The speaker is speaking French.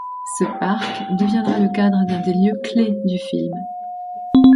Ce parc deviendra le cadre d'un des lieux-clés du film.